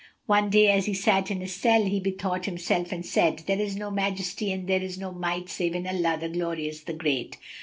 One day, as he sat in his cell,[FN#263] he bethought himself and said, "There is no Majesty and there is no Might save in Allah, the Glorious, the Great!